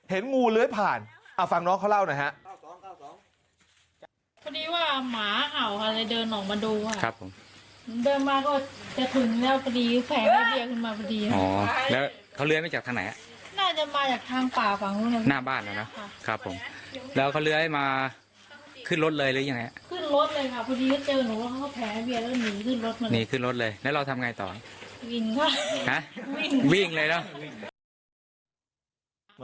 งูเลื้อยผ่านฟังน้องเขาเล่าหน่อยฮะ